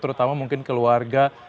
terutama mungkin keluarga